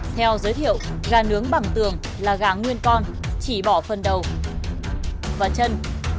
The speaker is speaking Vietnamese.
theo giới thiệu gà nướng bằng tường là gà nguyên con chỉ bỏ phần đầu và chân